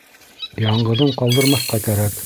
Яңғыҙын ҡалдырмаҫҡа кәрәк.